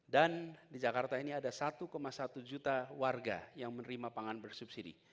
dan di jakarta ini ada satu satu juta warga yang menerima pangan bersubsidi